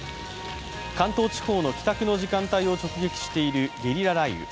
関東地方の帰宅の時間帯を直撃しているゲリラ雷雨。